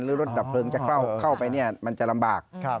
รถดับเพลิงจะเข้าไปมันจะลำบาก